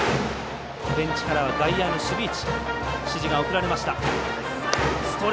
ベンチから外野への守備位置指示が送られました。